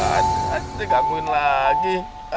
aduh digangguin lagi